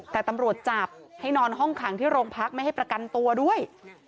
แต่ตำรวจจับให้นอนห้องขังที่โรงพักไม่ให้ประกันตัวด้วย